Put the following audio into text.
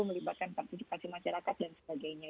melibatkan partisipasi masyarakat dan sebagainya